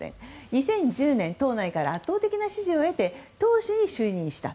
２０１０年党内から圧倒的な支持を得て党首に就任した。